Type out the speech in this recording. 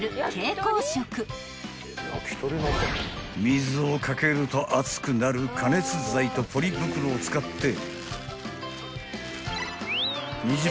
［水を掛けると熱くなる加熱剤とポリ袋を使って］